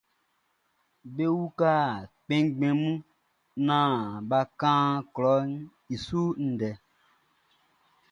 Be uka kpɛnngbɛn mun naan bʼa kan klɔʼn i su ndɛ.